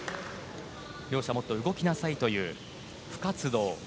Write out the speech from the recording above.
両者もっと動きなさいという不活動。